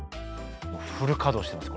もうフル稼働してます